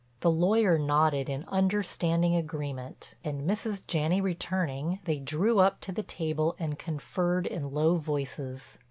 The lawyer nodded in understanding agreement and, Mrs. Janney returning, they drew up to the table and conferred in low voices.